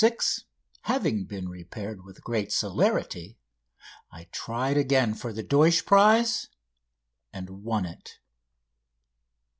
6," having been repaired with great celerity, I tried again for the Deutsch prize and won it.